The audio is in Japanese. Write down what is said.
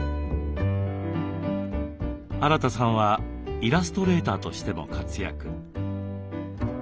アラタさんはイラストレーターとしても活躍。